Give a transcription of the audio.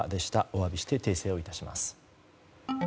お詫びして訂正をいたします。